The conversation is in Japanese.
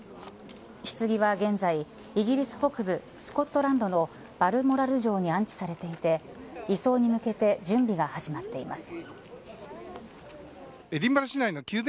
ひつぎは現在イギリス北部スコットランドのバルモラル城に安置されていて移送に向けて準備が始まっています。